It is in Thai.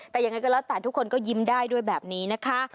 แต่ยังไงก็แล้วแต่ทุกคนก็ยิ้มได้ด้วยแบบนี้นะคะ